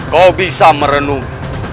kau bisa merenung